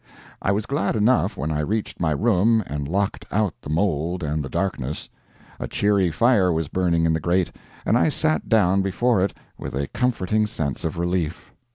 I was glad enough when I reached my room and locked out the mold and the darkness. A cheery fire was burning in the grate, and I sat down before it with a comforting sense of relief.